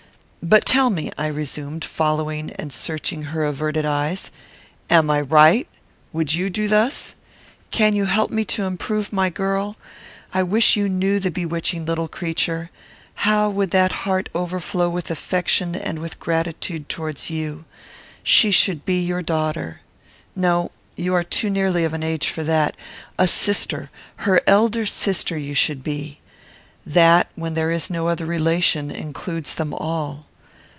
"But tell me," I resumed, following and searching her averted eyes; "am I right? would you do thus? Can you help me to improve my girl? I wish you knew the bewitching little creature. How would that heart overflow with affection and with gratitude towards you! She should be your daughter. No you are too nearly of an age for that. A sister; her elder sister, you should be. That, when there is no other relation, includes them all.